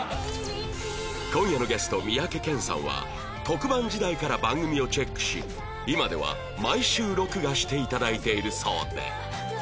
今夜のゲスト三宅健さんは特番時代から番組をチェックし今では毎週録画して頂いているそうで